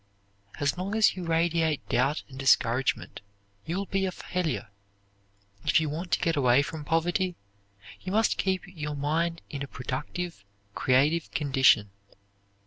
As long as you radiate doubt and discouragement, you will be a failure. If you want to get away from poverty, you must keep your mind in a productive, creative condition.